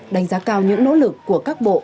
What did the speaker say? đánh giá cao những nỗ lực của các bộ